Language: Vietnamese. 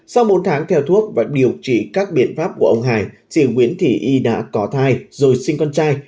sau bốn tháng theo thuốc và điều trị các biện pháp của ông hải chị nguyễn thị y đã có thai rồi sinh con trai